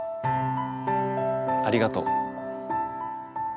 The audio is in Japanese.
ありがとう。